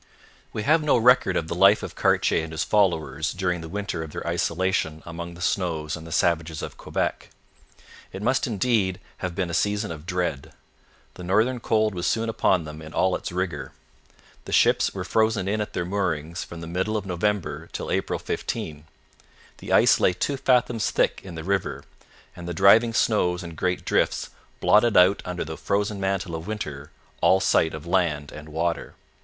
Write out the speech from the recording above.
We have no record of the life of Cartier and his followers during the winter of their isolation among the snows and the savages of Quebec. It must, indeed, have been a season of dread. The northern cold was soon upon them in all its rigour. The ships were frozen in at their moorings from the middle of November till April 15. The ice lay two fathoms thick in the river, and the driving snows and great drifts blotted out under the frozen mantle of winter all sight of land and water.